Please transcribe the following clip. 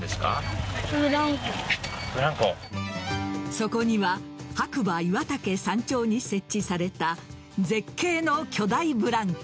そこには白馬岩岳山頂に設置された絶景の巨大ブランコ。